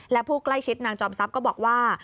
และผู้ใกล้ชิดนางจอมทรัพย์ก็บอกว่า